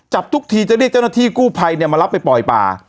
จับทุกทีจะได้เจ้าหน้าที่กู้ไภเนี่ยมารับไปปล่อยป่า